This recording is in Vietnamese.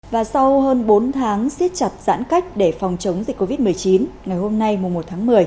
và sau hơn bốn tháng siết chặt giãn cách để phòng chống dịch covid một mươi chín ngày hôm nay mùa một tháng một mươi